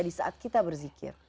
di saat kita berzikir